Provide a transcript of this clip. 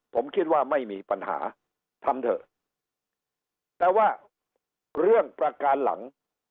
ผมคิดว่าไม่มีปัญหาทำเถอะแต่ว่าเรื่องประการหลัง